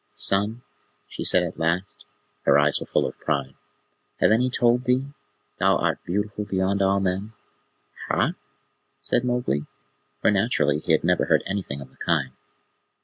"Son," she said at last, her eyes were full of pride, "have any told thee that thou art beautiful beyond all men?" "Hah?" said Mowgli, for naturally he had never heard anything of the kind.